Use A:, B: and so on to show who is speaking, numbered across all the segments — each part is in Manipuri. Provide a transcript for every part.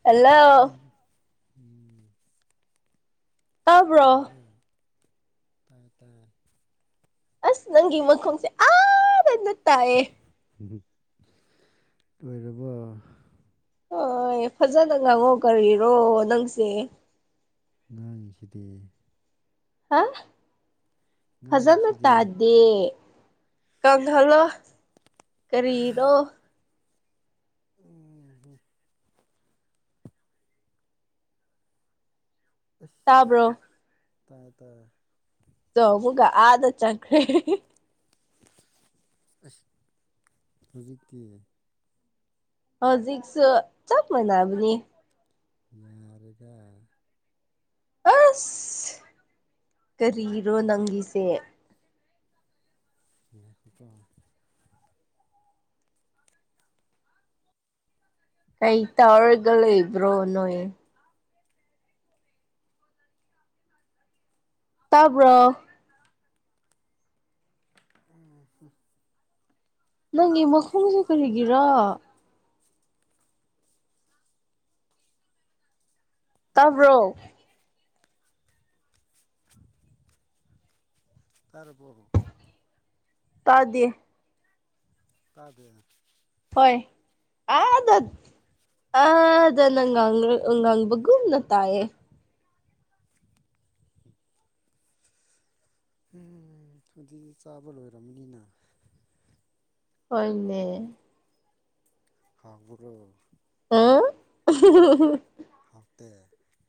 A: ꯍꯜꯂꯣ
B: ꯎꯝ ꯎꯝ [inaudible]
A: ꯇꯥꯕ꯭ꯔꯣ
B: ꯂꯣꯏꯔꯕꯣ ꯇꯥꯏꯌꯦ ꯇꯥꯏꯌꯦ꯫
A: ꯑꯁ ꯅꯪꯒꯤ ꯃꯈꯣꯡꯁꯦ ꯑꯥ ꯗꯩ ꯅꯠ
B: ꯍꯨꯝ ꯍꯨꯝ ꯂꯣꯏꯔꯕꯣ
A: ꯍꯣꯏ ꯐꯖꯅ ꯉꯥꯡꯉꯣ ꯀꯔꯤꯔꯣ ꯅꯪꯁꯦ
B: ꯉꯥꯡꯉꯤꯁꯤꯗꯤ꯫
A: ꯍ ꯐꯖꯅ
B: ꯉꯥꯡꯉꯤꯁꯤꯗꯤ
A: ꯇꯥꯗꯦ꯫ ꯀꯪꯍꯜꯂꯣ ꯀꯔꯤꯔꯣ
B: ꯎꯝ ꯍꯨꯝ ꯑꯁ
A: ꯇꯥꯕ꯭ꯔꯣ
B: ꯇꯥꯏ ꯇꯥꯔꯦ
A: ꯆꯧꯕꯒ ꯑꯥꯗ ꯆꯪꯈ꯭ꯔꯦ꯫
B: ꯑꯁ ꯍꯧꯖꯤꯛꯇꯤ꯫
A: ꯍꯧꯖꯤꯛꯁꯨ ꯆꯞ ꯃꯥꯅꯕꯅꯤ꯫
B: ꯌꯥꯔꯦꯗ꯫
A: ꯑꯁ ꯀꯔꯤꯔꯣ ꯅꯪꯒꯤꯁꯦ꯫
B: ꯌꯦꯉꯛꯀꯦꯀꯣ
A: ꯀꯩ ꯇꯥꯎꯔꯒ ꯂꯩꯕ꯭ꯔꯣ ꯅꯣꯏ ꯇꯥꯕ꯭ꯔꯣ
B: ꯎꯝ ꯍꯨꯝ
A: ꯅꯪꯒꯤ ꯃꯈꯣꯡꯁꯦ ꯀꯔꯤꯒꯤꯔꯣ ꯇꯥꯕ꯭ꯔꯣ
B: ꯇꯥꯔꯕꯣ
A: ꯇꯥꯗꯦ
B: ꯇꯥꯗꯦ
A: ꯍꯣꯏ ꯑꯥꯗ ꯑ ꯐꯖꯅ ꯉꯥꯡꯒꯔ ꯉꯥꯡꯕꯒꯨꯝ ꯇꯥꯏꯌꯦ
B: ꯎꯝ ꯑꯗꯨꯗꯤ ꯆꯥꯕ ꯂꯣꯏꯔꯝꯅꯤꯅ
A: ꯍꯣꯏꯅꯦ
B: ꯍꯥꯎꯕꯔꯣ
A: ꯎꯪ ꯎꯝ ꯍꯨꯝ
B: ꯍꯥꯎꯇꯦ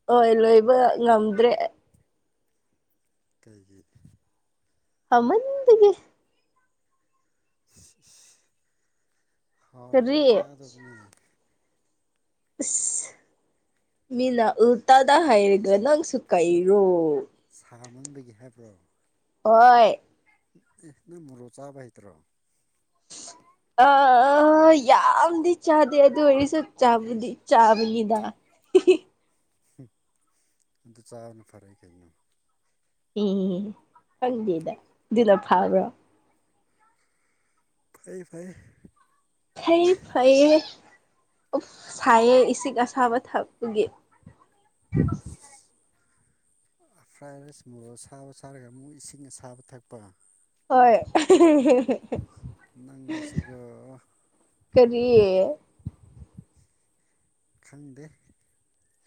A: ꯍꯣꯏ ꯂꯣꯏꯕ ꯉꯝꯗ꯭ꯔꯦ ꯑꯩ
B: ꯀꯩꯒꯤ
A: ꯄꯥꯃꯟꯕꯒꯤ
B: ꯏꯁꯤ ꯏꯁ ꯍꯥꯎꯔꯗꯤ
A: ꯀꯔꯤ
B: ꯆꯥꯗꯝꯅꯦ
A: ꯑꯁ ꯃꯤꯅ ꯎꯜꯇꯥꯗ ꯍꯥꯏꯔꯒ ꯅꯪꯁꯨ ꯀꯩꯔꯣ꯫
B: ꯁꯥ ꯃꯟꯕꯒꯤ ꯍꯥꯏꯕ꯭ꯔꯣ
A: ꯍꯣꯏ
B: ꯑꯦ ꯅꯪ ꯃꯣꯔꯣꯛ ꯆꯥꯕ ꯍꯩꯇ꯭ꯔꯣ? [unintelligible]
A: ꯑ ꯑꯥ ꯌꯥꯝꯗꯤ ꯆꯥꯗꯦ ꯑꯗꯨ ꯑꯣꯏꯔꯁꯨ ꯆꯕꯨꯗꯤ ꯆꯥꯕꯅꯤꯗ꯫ ꯍꯤꯍꯤ
B: ꯍꯨꯝ ꯑꯗꯨ ꯆꯥꯕꯅ ꯐꯔꯦ ꯀꯩꯅꯣ
A: ꯍꯦ ꯍꯦ ꯍꯦ ꯈꯪꯗꯦꯗ ꯑꯗꯨꯅ ꯐꯥꯕ꯭ꯔꯣ꯫
B: ꯐꯩꯌꯦ ꯐꯩꯌꯦ꯫
A: ꯐꯩ ꯐꯩꯌꯦ ꯎꯞ ꯁꯥꯏꯌꯦ ꯏꯁꯤꯡ ꯑꯁꯥꯕ ꯊꯛꯄꯒꯤ꯫
B: ꯎꯝ ꯁꯤ [inaudible] ꯑ ꯐ꯭ꯔꯥꯏ ꯔꯥꯏꯁ ꯃꯣꯔꯣ ꯑꯁꯥꯕ ꯆꯥꯔꯒ ꯑꯃꯨꯛ ꯏꯁꯤꯡ ꯑꯁꯥꯕ ꯊꯛꯄ꯫
A: ꯍꯣꯏ
B: ꯅꯪꯁꯤꯒ
A: ꯀꯔꯤ
B: ꯈꯪꯗꯦ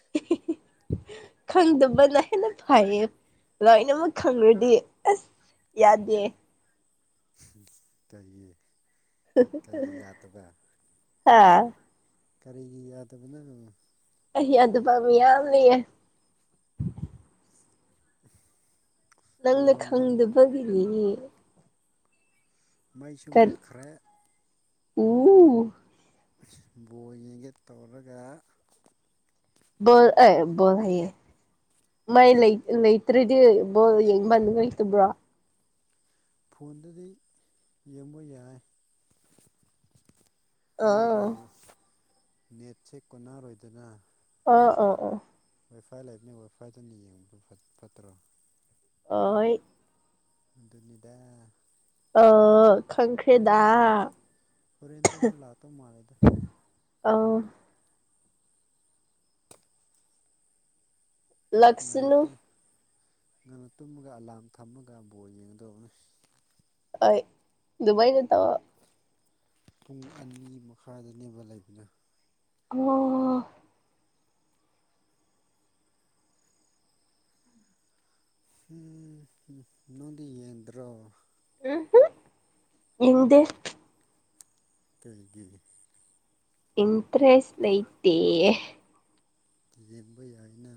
B: [unintelligible]
A: ꯈꯪꯗꯕꯅ ꯍꯦꯟꯅ ꯐꯩꯌꯦ ꯂꯣꯏꯅꯃꯛ ꯈꯪꯪꯔꯗꯤ ꯑꯁ ꯌꯥꯗꯦ
B: ꯀꯩꯒꯤ ꯀꯩꯒꯤ ꯌꯥꯗꯕ
A: ꯍꯥꯥ
B: ꯀꯔꯤꯒꯤ ꯌꯥꯗꯕꯅꯣ
A: ꯑꯩ ꯌꯥꯗ ꯄꯃꯤ ꯌꯥꯂꯤꯌꯦ
B: ꯀ [unintelligible]
A: ꯅꯪꯅ ꯈꯪꯗꯕꯒꯤꯅꯦ
B: ꯃꯩꯁꯨ ꯃꯨꯠꯈ꯭ꯔꯦ
A: ꯎꯝ
B: ꯕꯣꯏꯉꯒ ꯇꯧꯔꯒ
A: ꯣ ꯑꯦ ꯣꯜ ꯍꯥꯏꯌꯦꯦ ꯃꯥꯏ ꯂꯩ ꯂꯩꯇ꯭ꯔꯗꯤ ꯕꯣ ꯌꯦꯡꯕꯟ ꯂꯩꯇꯕ꯭ꯔꯣ
B: ꯐꯣꯟꯗꯗꯤ ꯌꯦꯡꯕ ꯌꯥꯏ ꯑꯗꯨꯕꯨ ꯅꯦꯠꯁꯦ ꯀꯣꯟꯅꯔꯣꯏꯗꯅ
A: ꯑ ꯑꯣ ꯑꯣ
B: ꯋꯥꯏꯐꯥꯏ ꯂꯩꯕꯅꯤ ꯋꯥꯏꯐꯥꯏꯗꯅ ꯌꯦꯡꯕꯗꯨ ꯐꯠꯇ꯭ꯔꯣ
A: ꯑꯣꯏ
B: ꯑꯗꯨꯅꯤꯗ
A: ꯑ ꯈꯪꯈ꯭ꯔꯦꯗ
B: ꯍꯣꯔꯦꯟꯗ ꯃꯨꯛ ꯂꯥꯛꯇꯧ ꯃꯥꯂꯦꯗ
A: ꯑꯥ
B: ꯉꯟꯅ
A: ꯂꯛꯁꯅꯨ
B: ꯉꯟꯅ ꯇꯨꯝꯃꯒ ꯑꯂꯥꯝ ꯊꯝꯃꯒ ꯕꯣꯜ ꯌꯦꯡꯗꯧꯅꯤ
A: ꯍꯣꯏ ꯗꯨꯕꯩ ꯅꯠꯇ
B: ꯄꯨꯡ ꯑꯅꯤ ꯃꯈꯥꯏꯗꯅꯦꯦꯝꯕ ꯂꯩꯕꯅ
A: ꯑꯣ
B: ꯎꯝ ꯅꯗꯤ ꯌꯦꯟꯗ꯭ꯔꯣ
A: ꯎꯝꯝ ꯍꯗꯦ
B: ꯀꯩꯒꯤ
A: ꯏꯟꯇ꯭ꯔꯦꯁ ꯂꯩꯛꯇ ꯗꯦ
B: ꯌꯦꯡꯕ ꯌꯥꯏꯅ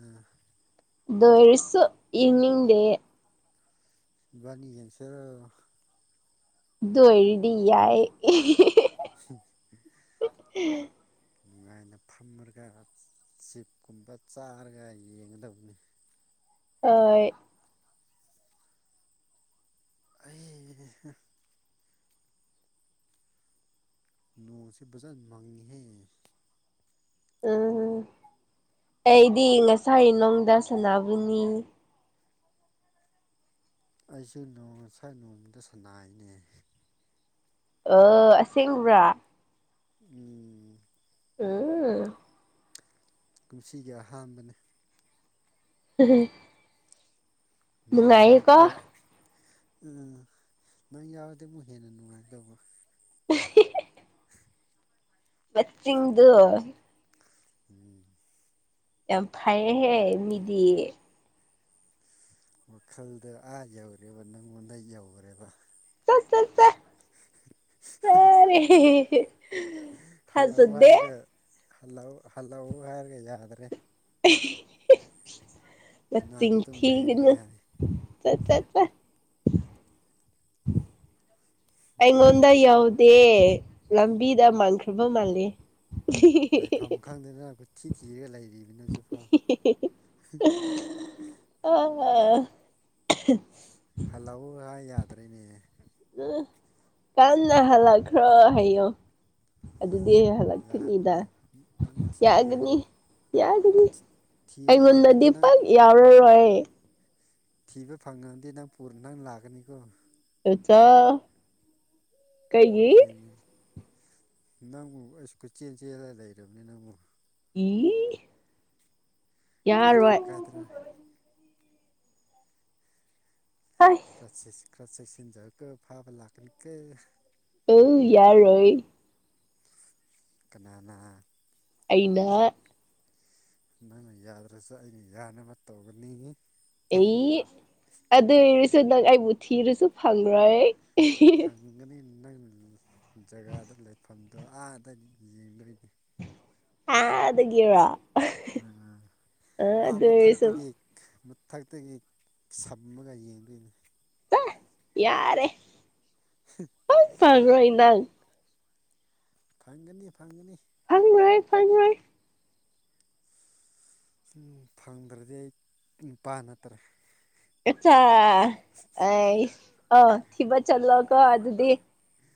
A: ꯑꯗꯨ ꯑꯣꯏꯔꯁꯨ ꯌꯦꯡꯅꯤꯡꯗꯦ
B: ꯏꯕꯥꯅꯤꯖꯁꯔ
A: ꯗꯣꯔꯤꯗꯤ ꯌꯥꯏ
B: [inaudible] ꯅꯨꯡꯉꯥꯏꯅ ꯐꯝꯃꯔꯒ ꯆꯤꯞꯀꯨꯝꯕ ꯆꯥꯔꯒ ꯌꯦꯡꯒꯗꯕꯅꯤ
A: ꯑ
B: ꯑꯩ ꯅꯣꯡꯁꯦ ꯕꯖꯥ ꯃꯪꯉꯤꯍꯦ
A: ꯎꯝ ꯑꯩꯗꯤ ꯉꯁꯥꯏꯅꯨꯡꯗ ꯁꯅꯥꯕꯨꯅꯤ
B: ꯑꯩꯁꯨꯦ ꯅꯣꯡ ꯉꯁꯥꯏ ꯅꯣꯡꯃꯗ ꯁꯅꯥꯏꯅꯦ
A: ꯑ ꯑꯁꯦꯡꯕ꯭ꯔꯥ
B: ꯎꯝ
A: ꯎꯝ
B: ꯀꯨꯝꯁꯤꯒꯤ ꯑꯍꯥꯟꯕꯅꯤ
A: ꯎꯝ
B: ꯅꯣꯡ ꯃꯔꯛꯇ ꯅꯪ ꯌꯥꯔꯗꯤ ꯑꯃꯨꯛ ꯍꯦꯟꯅ ꯅꯨꯡꯉꯥꯏꯒꯗꯧꯕ
A: ꯎ ꯃꯤꯡꯗꯨ
B: ꯎꯝ
A: ꯌꯥꯝ ꯐꯩꯌꯦꯍꯦ ꯃꯤꯗꯤ꯫
B: ꯋꯥꯈꯜꯗ ꯑꯥ ꯌꯧꯔꯦꯕ ꯅꯪꯉꯣꯟꯗ ꯌꯧꯒꯔꯦꯕ꯫
A: ꯆꯠ ꯆ ꯆ ꯐ ꯔꯦ ꯍꯦ ꯍꯦ
B: ꯍꯜꯂꯧ ꯍꯥꯏꯔꯒ ꯍꯜꯂꯧ ꯍꯜꯂꯧ ꯍꯥꯏꯔꯒ ꯌꯥꯗ꯭ꯔꯦ꯫
A: ꯍꯥ
B: ꯅꯅꯥꯛꯇ
A: ꯅꯆꯤꯡ
B: ꯑꯗꯨꯝ ꯂꯩꯔꯒꯦ
A: ꯊꯤꯒꯅꯨ꯫
B: ꯍꯥꯏ
A: ꯆꯠ ꯆꯠ ꯆ ꯑꯩꯉꯣꯟ ꯉꯣꯟꯗ ꯌꯥꯎꯗꯦ ꯂꯝꯕꯤꯗ ꯃꯥꯟꯈ꯭ꯔꯕ ꯃꯥꯂꯦ꯫
B: ꯂꯩꯐꯝ ꯈꯪꯗꯅ ꯀꯣꯌꯊꯤ ꯊꯤꯔꯒ ꯂꯩꯔꯤꯕꯅꯤ ꯍꯧꯖꯤꯐꯥꯎ꯫
A: ꯑ ꯑꯥ ꯑ
B: ꯍꯜꯂꯧ ꯍꯥꯏ ꯌꯥꯗ꯭ꯔꯦꯅꯦ꯫
A: ꯎꯪ ꯇꯥꯝꯅ ꯍꯂꯈꯔꯣ ꯍꯥꯏꯌꯣ ꯑꯗꯨꯗꯤ ꯑꯩ ꯍꯜꯂꯛꯈꯤꯅꯤꯗ
B: ꯌꯥꯗꯦꯅꯦ ꯅꯪ ꯊꯤꯒꯦ
A: ꯌꯥꯒꯅꯤ꯫
B: ꯍꯥꯏ
A: ꯌꯥꯖꯅꯤ
B: ꯊꯤꯕ
A: ꯑꯩꯉꯣꯟꯗꯗꯤ
B: ꯐꯪꯉꯗꯤ ꯅꯪ
A: ꯄꯥꯛ ꯌꯥꯎꯔꯣꯏꯕ ꯑꯩ
B: ꯊꯤꯕ ꯐꯪꯉꯗꯤ ꯅꯪ ꯄꯨꯔ ꯅꯪ ꯂꯥꯀꯅꯤꯀꯣ꯫
A: ꯌꯨꯆꯥ [inaudible]
B: ꯁꯦꯡꯕꯅꯤ ꯅꯪꯕꯨ ꯑꯩꯁꯨ ꯀꯣꯢꯆꯦꯟ ꯆꯦꯂ ꯂꯩꯔꯕꯅꯤ ꯅꯪꯕꯨ꯫
A: ꯏ
B: ꯀꯥꯏꯗ꯭ꯔꯣ
A: ꯌꯥꯔꯣꯏ
B: ꯀꯥꯏꯗ꯭ꯔꯣ
A: ꯍꯏ [inaudible]
B: ꯈꯔꯥ ꯆꯦꯁ ꯈꯔ ꯆꯦꯁꯤꯟꯖꯧꯀꯣ ꯐꯥꯕ ꯂꯥꯛꯀꯅꯤꯀꯣ꯫
A: ꯑꯧ ꯌꯥꯔꯣꯏ
B: ꯀꯅꯥꯅꯥ
A: ꯑꯩꯅ
B: ꯅꯪꯅ ꯌꯥꯗ꯭ꯔꯁꯨ ꯑꯩꯅ ꯌꯥꯅꯕ ꯇꯧꯒꯅꯤ꯫
A: ꯏ ꯑꯗꯨ ꯑꯣꯏꯔꯁꯨ ꯅꯪ ꯑꯩꯕꯨ ꯊꯤꯔꯁꯨ ꯐꯪꯪꯔꯣꯏ꯫
B: ꯐꯪꯒꯅꯤ ꯅꯪ ꯖꯒꯥꯗ ꯂꯩꯐꯝꯗꯣ ꯑꯥꯗꯒꯤ ꯌꯦꯡꯗꯣꯔꯤꯅꯦ
A: ꯑꯥꯗꯒꯤꯔꯣ
B: ꯎꯝ ꯑꯥ
A: ꯑꯗꯨ ꯑꯣꯏꯔꯁꯨ
B: ꯃꯊꯛꯇꯒꯤ꯫ ꯃꯊꯛꯇꯒꯤ ꯁꯝꯃꯒ ꯌꯦꯡꯗꯣꯏꯅꯤ꯫
A: ꯇꯥ ꯌꯥꯔꯦ꯫
B: ꯍꯤ ꯑ
A: ꯁꯨꯡ
B: [inaudible]
A: ꯐꯪꯔꯣꯏ ꯅꯪ
B: ꯐꯪꯒꯅꯤ ꯐꯪꯒꯅꯤ꯫
A: ꯐꯪꯔꯣꯏ ꯐꯪꯔꯣꯏ꯫
B: ꯁꯨꯝ ꯐꯪꯗ꯭ꯔꯗꯤ ꯑꯩ ꯅꯨꯄꯥ ꯅꯠꯇꯔꯦ꯫
A: ꯑꯆꯥ ꯑꯩ ꯑꯥ ꯊꯤꯕ ꯆꯠꯂꯣ ꯀꯣ ꯑꯗꯨꯗꯤ꯫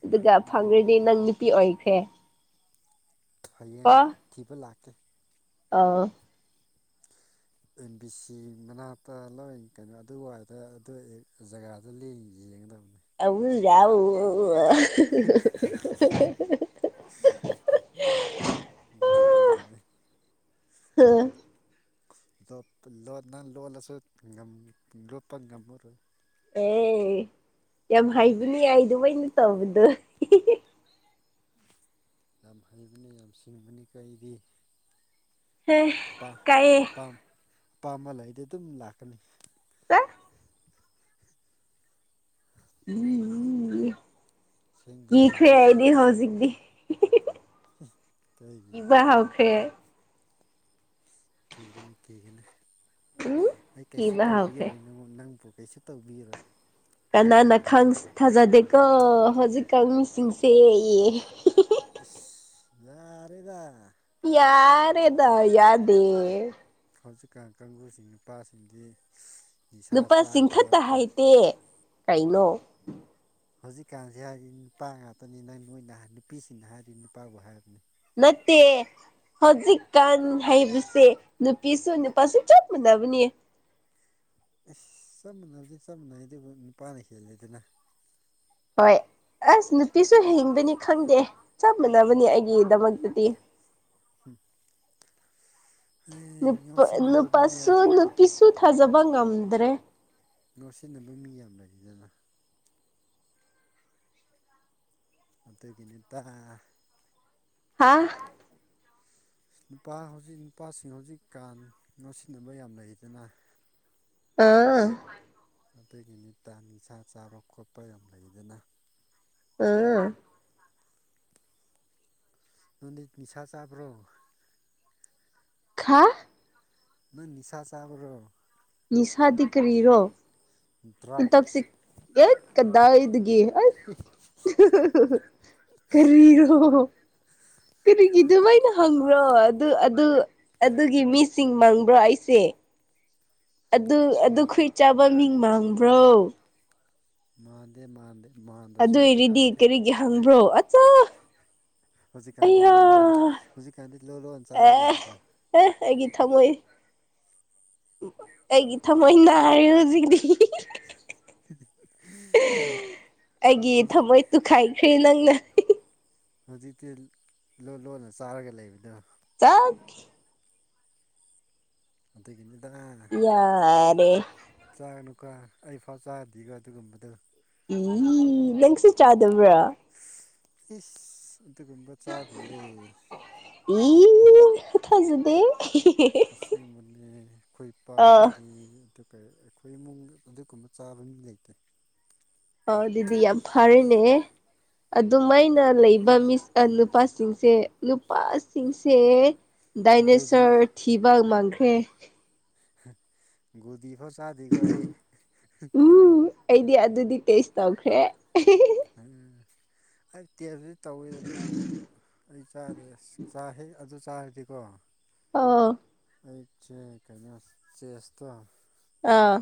A: ꯑꯗꯨꯒ
B: ꯎꯝ
A: ꯐꯪꯈ꯭ꯔꯗꯤ ꯅꯪ ꯅꯨꯄꯤ ꯑꯣꯏꯈ꯭ꯔꯦ꯫
B: ꯐꯌꯦꯡ
A: ꯀꯣ
B: ꯊꯤꯕ ꯂꯥꯛꯀꯦ꯫
A: ꯑꯥꯎ
B: ꯑꯦꯝ ꯕꯤ ꯁꯤ ꯃꯅꯥꯛꯇ ꯂꯣꯌ ꯀꯩꯅꯣ ꯑꯗꯨꯋꯥꯏꯗ ꯑꯗꯨ ꯑ ꯖꯒꯥ ꯖꯨꯠꯂꯤ ꯌꯦꯡꯉꯗꯃꯤ
A: ꯑꯧ ꯌꯥꯎ ꯑꯣ [inaudible]
B: ꯌꯦꯉꯗꯃꯤ [inaudible]
A: ꯍꯑꯥ [inaudible]
B: ꯂꯣꯠꯄ ꯂꯣꯟꯅ ꯂꯣꯠꯂꯁꯨ ꯂꯣꯠꯄ ꯉꯝꯃꯔꯣꯏ꯫
A: ꯑꯦ ꯌꯥꯝ ꯍꯥꯏꯕꯅꯤ ꯑꯥꯏꯗꯨꯃꯥꯅ ꯇꯧꯕꯗꯨ꯫
B: ꯌꯥꯝ ꯍꯩꯕꯅꯤ ꯌꯥꯝ ꯁꯤꯡꯕꯅꯤ ꯀꯣ ꯑꯩꯗꯤ꯫
A: ꯍꯦ
B: ꯄꯥ
A: ꯀꯥꯏꯌꯦ
B: ꯑꯄꯥꯝ ꯑꯄꯥꯝꯕ ꯂꯩꯗꯤ ꯑꯗꯨꯝ ꯂꯥꯛꯀꯅꯤ꯫
A: ꯆꯥ [inaudible]
B: ꯑꯁꯦꯡꯕꯅꯦ
A: ꯀꯤꯈ꯭ꯔꯦ ꯑꯩꯗꯤ ꯍꯧꯖꯤꯛꯇꯤ
B: ꯀꯩꯒꯤ
A: ꯀꯤꯕ ꯍꯧꯎꯈ꯭ꯔꯦ
B: ꯀꯤꯒꯅꯨ ꯀꯤꯒꯅ
A: ꯎꯝ
B: ꯑꯩ ꯀꯩꯁꯨ
A: ꯀꯤꯕ ꯍꯧꯈ꯭ꯔꯦ
B: ꯇꯧꯕꯤꯔꯣꯏꯅꯣ ꯅꯉꯣꯟ ꯅꯪꯕꯨ ꯀꯩꯁꯨ ꯇꯧꯕꯤꯔꯣꯏ
A: ꯀꯅꯥꯅ ꯊꯥꯖꯗꯦꯀꯣ ꯍꯧꯖꯤꯛꯀꯥꯟ ꯃꯤꯁꯤꯡꯁꯦ
B: ꯏ ꯌꯥꯔꯦꯗꯥ
A: ꯌꯥꯔꯦꯗ ꯌꯥꯗꯦ
B: ꯍꯧꯖꯤꯛꯀꯥꯟ ꯀꯥꯡꯁꯤꯡ ꯅꯨꯄꯥꯁꯤꯡꯗꯤ ꯅꯤꯁꯥ
A: ꯅꯨꯄꯥ
B: ꯆꯥ
A: ꯆꯤꯡꯈꯠꯇ
B: ꯈꯣꯠꯄ
A: ꯍꯥꯏꯇꯦ ꯀꯩꯅꯣ
B: ꯍꯧꯖꯤꯛꯀꯥꯟꯁꯤ ꯍꯥꯏꯔꯤ ꯅꯨꯄꯥ ꯉꯥꯛꯇꯅꯤ ꯅꯪ ꯅꯣꯏꯅ ꯅꯨꯄꯤꯁꯤꯡꯅ ꯍꯥꯏꯔꯤ ꯅꯨꯄꯥꯕꯨ ꯍꯥꯏꯕꯅꯤ
A: ꯅꯠꯇꯦ ꯍꯧꯖꯤꯛꯀꯥꯟ ꯍꯥꯏꯕꯁꯦ ꯅꯨꯄꯤꯁꯨ ꯅꯨꯄꯥꯁꯨ ꯆꯞ ꯃꯥꯟꯅꯕꯅꯦ
B: ꯑꯁ ꯆꯞ ꯃꯥꯟꯅꯕꯗꯤ ꯆꯞ ꯃꯥꯟꯅꯩ ꯑꯗꯨꯕꯨ ꯅꯨꯄꯥꯅ ꯍꯦꯜꯂꯦ ꯑꯗꯨꯅ
A: ꯍꯣꯏ ꯑꯁ ꯅꯨꯄꯤꯁꯨ ꯍꯤꯡꯕꯅꯤ ꯈꯪꯗꯦ ꯆꯞ ꯃꯥꯟꯅꯕꯅꯦ ꯑꯩꯒꯤꯗꯃꯛꯇꯗꯤ
B: ꯎ ꯍꯎ ꯁꯤꯟꯅꯕ ꯃꯤꯌꯥ
A: ꯄꯤꯁꯨ ꯊꯥꯖꯕ ꯉꯝꯗ꯭ꯔꯦ
B: ꯅꯣꯠ ꯁꯤꯟꯅꯕ ꯃꯤ ꯌꯥꯝ ꯂꯩꯔꯤꯗꯅ ꯑꯗꯨꯗꯒꯤꯅꯦ ꯇ
A: ꯍꯥꯥ
B: ꯅꯨꯄꯥ ꯍꯧꯖꯤꯛ ꯅꯨꯄꯥꯁꯤꯡ ꯍꯧꯖꯤꯛꯀꯥꯟ ꯉꯣꯁꯤꯟꯅꯕ ꯌꯥꯝ ꯂꯩꯗꯅ
A: ꯑꯥ
B: ꯄꯤꯇꯩꯒꯤ ꯅꯨꯅꯤ ꯇꯥꯡ ꯅꯤꯁꯥ ꯆꯥꯕ ꯈꯣꯠꯄ ꯌꯥꯝ ꯂꯩꯗꯅ
A: ꯎꯝ
B: ꯅꯪꯗꯤ ꯅꯤꯁꯥ ꯆꯥꯕ꯭ꯔꯣ
A: ꯈꯥ
B: ꯅꯪ ꯅꯤꯁꯥ ꯆꯥꯕ꯭ꯔꯣ
A: ꯅꯤꯁꯥꯗꯤ
B: ꯗ꯭ꯔꯛ
A: ꯀꯔꯤꯔꯣꯇꯁꯤ ꯌꯦꯠ ꯀꯗꯥ ꯏ ꯑꯗꯨꯒ ꯀꯔꯤꯔꯣ ꯀꯔꯤꯒꯤꯗ ꯃꯥꯏꯅ ꯍꯪꯕ꯭ꯔꯣ ꯑꯗꯨ ꯑꯗꯨ ꯑꯗꯨꯒꯤ ꯃꯤꯁꯤꯡ ꯃꯪꯕ꯭ꯔꯣ ꯑꯩꯁꯦ ꯑꯗꯨ
B: ꯃꯥ
A: ꯑꯗꯨꯈꯏ ꯆꯥꯕ ꯃꯤꯡ ꯃꯥꯡꯕ꯭ꯔꯣ
B: ꯃꯥꯟꯗꯦ ꯃꯥꯟꯗꯦ ꯃꯥꯟꯗ꯭ꯔꯁꯨ ꯍꯧꯖꯤꯛꯀꯥꯟꯗꯦ
A: ꯍꯪ꯭ꯔꯣ ꯑꯠꯆꯥ
B: ꯍꯧꯖꯤꯛꯀꯥꯟꯗꯤ ꯂꯂꯣꯟ ꯍꯧꯖꯤꯛꯀꯥꯟꯗꯤ ꯂꯂꯣꯟꯣꯟ ꯆꯥꯔꯒ
A: ꯑꯦ
B: ꯂꯩꯕꯗꯣ
A: ꯑꯦ ꯑꯩꯒꯤꯠ ꯊꯃꯣꯏ ꯑꯩꯒꯤ ꯊꯃꯣꯏ ꯅꯥꯔꯦ ꯍꯧꯖꯤꯛꯇꯤ
B: [inaudible] [inaudible]
A: ꯑꯩꯒꯤ
B: ꯍꯧꯖꯤꯛ
A: ꯊꯃꯣꯏ ꯇꯨꯈꯥꯏꯈ꯭ꯔꯦ ꯅꯪꯅ
B: ꯍꯧꯖꯤꯛꯇꯤ ꯂꯣꯟ ꯂꯣꯟꯅ ꯆꯥꯔꯒ ꯂꯩꯕꯗ
A: ꯆꯥꯛ
B: ꯑꯗꯨꯗꯒꯤꯅꯤꯗ
A: ꯌꯥꯔꯦ
B: ꯆꯥꯒꯅꯨꯀ ꯑꯩ ꯐꯥꯎ ꯆꯥꯔꯗꯤꯒ ꯑꯗꯨꯒꯨꯝꯕꯗꯣ
A: ꯏ ꯅꯪꯁꯤꯠ ꯆꯥꯗꯕ꯭ꯔꯥ
B: ꯏꯁ ꯑꯗꯨꯒꯨꯝꯕ ꯆꯥꯗꯤꯌꯦ
A: ꯏ ꯈ ꯊꯖꯗꯦ
B: ꯑꯁꯦꯡꯕꯅꯤ ꯈꯣꯏ
A: ꯑ
B: ꯄꯗꯤ ꯑꯩꯈꯣꯏ ꯏꯃꯨꯡꯗ ꯑꯗꯨꯒꯨꯝꯕ ꯆꯥꯕ ꯃꯤ ꯂꯩꯇꯦ
A: ꯑ ꯑꯗꯨꯗꯤ ꯌꯥꯝ ꯐꯔꯦꯅꯦ ꯑꯗꯨꯃꯥꯏꯩꯅ ꯂꯩꯕ ꯃꯤꯁ ꯅꯨꯄꯥꯁꯤꯡꯁꯦ ꯅꯨꯄꯥꯁꯤꯡꯁꯦ
B: ꯒꯣꯂꯤ
A: ꯗꯥꯏꯅꯦꯁꯔ ꯊꯤꯕ ꯃꯥꯡꯈ꯭ꯔꯦ
B: ꯗꯤ ꯐꯣ ꯆꯥꯗꯤꯒ ꯑꯩ
A: ꯎꯝ ꯑꯩꯗꯤ ꯑꯗꯨꯗꯤ ꯇꯦꯁ ꯇꯧꯈ꯭ꯔꯦ
B: ꯎꯝ ꯑꯩ ꯇꯦꯕꯁꯨ ꯇꯧꯋꯦ ꯑꯗꯨꯕꯨ ꯑꯩ ꯆꯥꯗꯔ꯭ꯦ ꯆꯥ ꯍꯦ ꯑꯗꯨ ꯆꯥꯔꯗꯤꯀꯣ
A: ꯑꯥ
B: ꯑꯩꯁꯦ ꯀꯩꯅꯣ ꯆꯦꯁꯇ
A: ꯑꯥ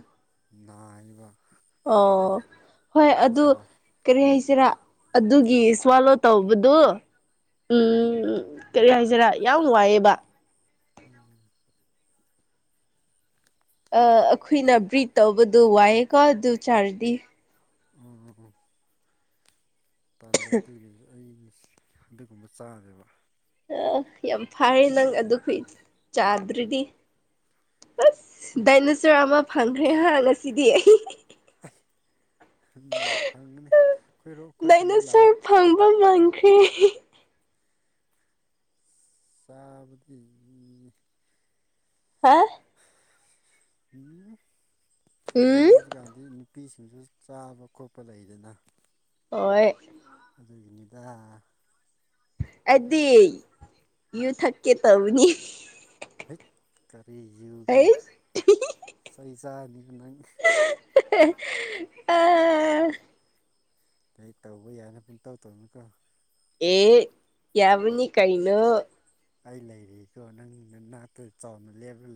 B: ꯅꯥꯔꯤꯕ
A: ꯑꯣ ꯍꯣꯏ ꯑꯗꯨ ꯀꯔꯤ ꯍꯥꯏꯁꯤꯔꯥ ꯑꯗꯨꯒꯤ ꯁ꯭ꯋꯥꯂꯣ ꯇꯧꯕꯗꯣ ꯎꯝ ꯀꯔꯤ ꯍꯥꯏꯁꯤꯔꯥ ꯌꯥꯝ ꯅꯨꯡꯉꯏꯑꯦꯕ
B: ꯎꯝ [inaudible]
A: ꯑꯩꯈꯣꯏꯅ ꯕ꯭ꯔꯤꯠ ꯇꯧꯕꯗꯣ ꯋꯥꯏꯑꯦꯀꯣ ꯑꯗꯨ ꯆꯥꯔꯗꯤ
B: ꯎꯝ ꯎꯝ ꯎꯝ ꯄꯜꯂꯦ ꯑꯗꯨꯒꯤ ꯑꯩ ꯍꯟꯗꯛꯀꯨꯝꯕ ꯆꯥꯗꯦꯕ
A: ꯑ ꯌꯥꯝ ꯐꯔꯦ ꯅꯪ ꯑꯗꯨ ꯆꯥꯗ꯭ꯔꯤꯗꯤ ꯑꯁ ꯗꯥꯏꯅꯣꯁꯣꯔ ꯑꯃ ꯐꯪꯈ꯭ꯔꯦ ꯍꯥ ꯉꯁꯤꯗꯤ ꯑꯩ
B: ꯐꯪꯒꯅꯤ ꯑꯩꯈꯣꯏ ꯑꯩꯈꯣꯏ ꯈꯨꯟꯗ ꯂꯥꯛꯑꯒ
A: ꯗꯥꯏꯅꯣꯁꯔ ꯐꯪꯕ ꯉꯝꯈꯔꯦ
B: ꯆꯥꯕꯗꯤ
A: ꯍꯥ
B: ꯃꯤ
A: ꯎꯝ
B: ꯍꯧꯖꯤꯛ ꯀꯥꯟꯗꯤ ꯅꯨꯄꯤꯁꯤꯡꯁꯨ ꯆꯥꯕ ꯈꯣꯠꯄ ꯂꯩꯗꯅ
A: ꯍꯣꯏ
B: ꯑꯗꯨꯒꯤꯅꯤꯗ
A: ꯑꯩꯗꯤ ꯌꯨ ꯊꯛꯀꯦ ꯇꯧꯕꯅꯤ
B: ꯍꯠ ꯀꯔꯤ ꯌꯣꯒꯣ
A: ꯑꯩ
B: ꯁꯩ ꯆꯥꯅꯤ ꯅꯪ
A: ꯑꯥ [inaudible]
B: ꯀꯩ ꯇꯧꯕ ꯌꯥꯏꯅ ꯄꯨꯡꯇꯧ ꯇꯧꯅꯨꯀꯣ
A: ꯑꯦ ꯌꯥꯕꯅꯤ ꯀꯩꯅꯣ
B: ꯑꯩ ꯂꯩꯔꯤꯀꯣ ꯅꯪ ꯅꯥꯛꯇ ꯆꯥꯎꯅ ꯂꯦꯞꯂ